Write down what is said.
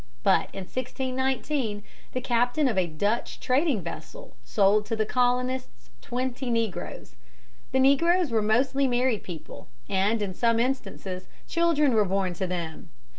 But in 1619 the captain of a Dutch trading vessel sold to the colonists twenty negroes. The negroes were mostly married people, and in some instances children were born to them.